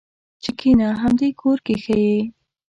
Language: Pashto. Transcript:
چې کېنه همدې کور کې ښه یې.